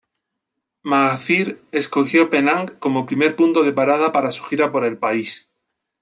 Mahathir escogió Penang como primer punto de parada para su gira por el país.